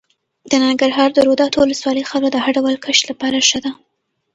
د ننګرهار د روداتو ولسوالۍ خاوره د هر ډول کښت لپاره ښه ده.